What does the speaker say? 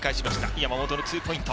山本のツーポイント。